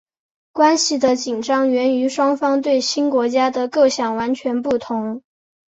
关系的紧张源于双方对新国家的构想完全不同。